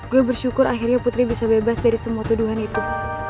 gue bersyukur akhirnya putri bisa bebas dari semua tuduhan itu